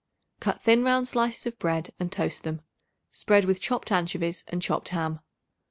Cut thin round slices of bread and toast them. Spread with chopped anchovies and chopped ham.